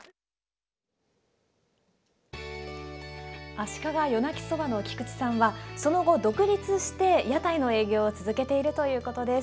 足利夜鳴きそばの菊地さんはその後独立して屋台の営業を続けているということです。